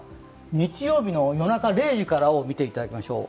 日曜日の夜中０時から見ていただきましょう。